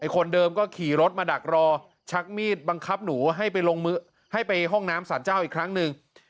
คนเดิมก็ขี่รถมาดักรอชักมีดบังคับหนูให้ไปห้องน้ำศาลเจ้าอีกครั้งนึง